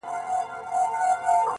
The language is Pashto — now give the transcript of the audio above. o په مخه دي د اور ګلونه.